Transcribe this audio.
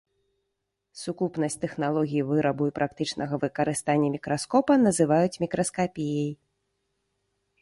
Сукупнасць тэхналогій вырабу і практычнага выкарыстання мікраскопа называюць мікраскапіяй.